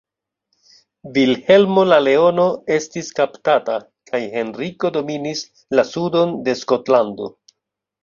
Vilhelmo la Leono estis kaptata, kaj Henriko dominis la sudon de Skotlando.